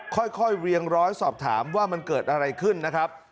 ค่อยเรียงร้อยสอบถามว่ามันเกิดอะไรขึ้นนะครับ